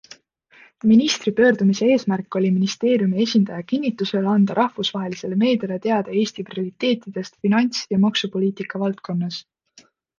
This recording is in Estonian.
Ministri pöördumise eesmärk oli ministeeriumi esindaja kinntusel anda rahvusvahelisele meediale teada Eesti prioriteetidest finants- ja maksupoliitika valdkonnas.